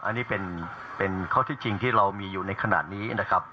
อันนี้เป็นข้อที่จริงที่เรามีอยู่ในขณะนี้นะครับ